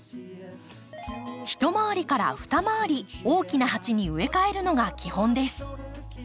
一回りから二回り大きな鉢に植え替えるのが基本です。